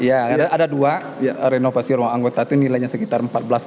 ada dua renovasi ruang anggota itu nilainya sekitar empat belas empat